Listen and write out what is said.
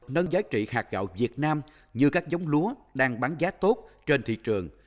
nâng giá trị hạt gạo việt nam như các giống lúa đang bán giá tốt trên thị trường